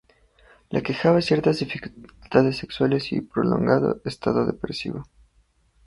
Le aquejaban ciertas dificultades sexuales y un prolongado estado depresivo.